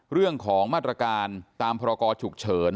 เรื่องของมาตรการตามพรกรฉุกเฉิน